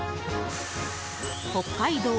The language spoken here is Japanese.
北海道